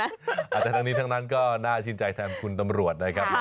อาจจะทั้งนี้ทั้งนั้นก็น่าชินใจแทนคุณตำรวจได้ครับ